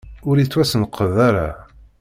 Ur yettwasenqed ara.